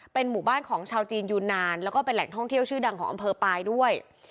เป็นหมู่บ้านของชาวจีนยูนานแล้วก็เป็นแหล่งท่องเที่ยวชื่อดังของอำเภอปลายด้วย